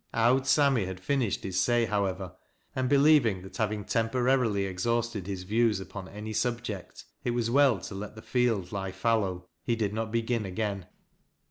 " Owd Sammy," had finished his say, however, and believing that having temporarily exhausted his views upon any subject, it was well to let the field lie fallow, he did not begin again.